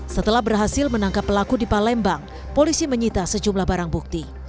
setelah berhasil menangkap pelaku di palembang polisi menyita sejumlah barang bukti